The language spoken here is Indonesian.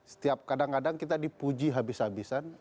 setiap kadang kadang kita dipuji habis habisan